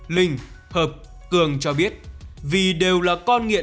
linh hợp cường cho biết vì đều là con nghiện